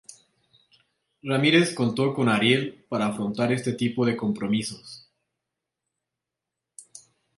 Ramírez contó con Ariel para afrontar este tipo de compromisos.